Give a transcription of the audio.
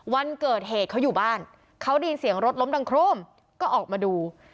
วันเกิดเหตุเขาอยู่บ้านเขาได้ยินเสียงรถล้มดังโครมก็ออกมาดู